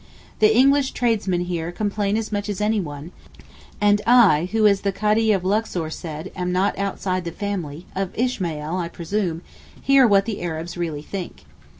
The English tradesmen here complain as much as anyone, and I, who as the Kadee of Luxor said am 'not outside the family' (of Ishmael, I presume), hear what the Arabs really think.